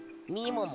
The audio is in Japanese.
もも！